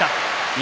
錦